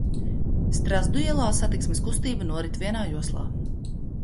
Strazdu ielā satiksmes kustība norit vienā joslā.